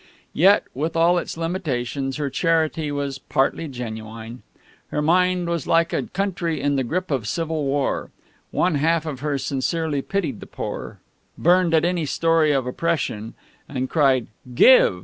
Yet, with all its limitations, her charity was partly genuine. Her mind was like a country in the grip of civil war. One half of her sincerely pitied the poor, burned at any story of oppression, and cried "Give!"